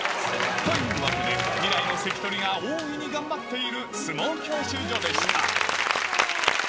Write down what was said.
というわけで、未来の関取が大いに頑張っている相撲教習所でした。